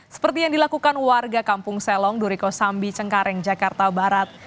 seperti yang dilakukan warga kampung selong duriko sambi cengkareng jakarta barat